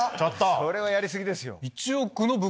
それはやり過ぎですよ。